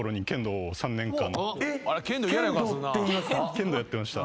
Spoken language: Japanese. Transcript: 剣道やってました。